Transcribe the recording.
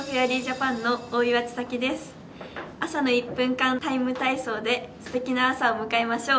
朝の１分間「ＴＩＭＥ，体操」で素敵な朝を迎えましょう。